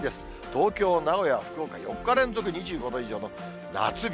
東京、名古屋、福岡、４日連続２５度以上の夏日。